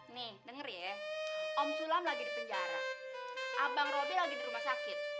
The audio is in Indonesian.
nih denger ya om sulam lagi di penjara